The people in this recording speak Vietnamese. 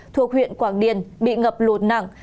thuộc huyện quảng điền bị ngập lột nặng